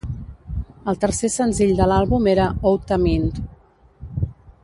El tercer senzill de l'àlbum era "Outta Mind".